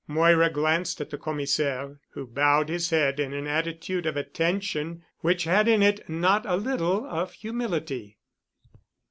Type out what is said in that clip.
Moira glanced at the Commissaire, who bowed his head in an attitude of attention, which had in it not a little of humility.